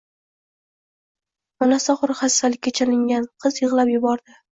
Onasi og‘ir kasallikka chalingan qiz yig‘lab yubordi.